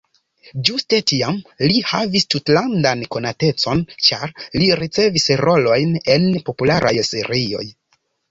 Ĝuste tiam li havis tutlandan konatecon, ĉar li ricevis rolojn en popularaj serioj.